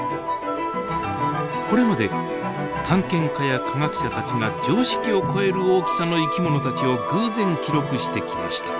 これまで探検家や科学者たちが常識を超える大きさの生き物たちを偶然記録してきました。